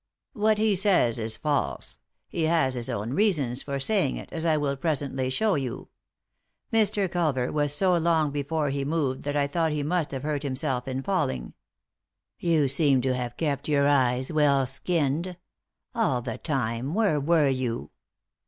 " What he says is false. He has his own reasons for saying it, as I will presently show you. Mr. Culver was so long before he moved that I thought he must have hurt himself in railing." " Yon seemed to have kept your eyes well skinned. All the time, where were you